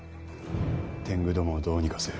天狗どもをどうにかせよ。